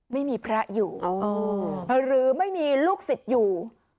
ไม่มีพระอยู่หรือไม่มีลูกศิษย์อยู่